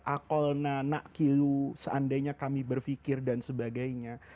akolna nak kilu seandainya kami berpikir dan sebagainya